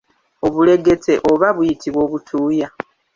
Obulegete oba buyitibwa obutuuya.